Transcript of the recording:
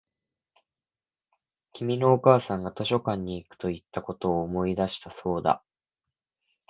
君のお母さんが図書館に行くと言ったことを思い出したそうだ